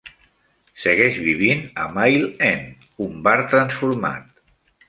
Segueix vivint a Mile End, un bar transformat.